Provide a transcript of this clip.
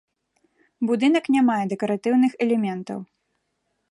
Будынак не мае дэкаратыўных элементаў.